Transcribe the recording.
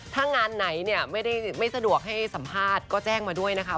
ถ้างานไหนเนี่ยไม่สะดวกให้สัมภาษณ์ก็แจ้งมาด้วยนะคะ